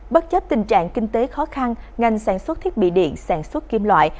bất chấp tình trạng kinh tế khó khăn ngành sản xuất thiết bị điện sản xuất kim loại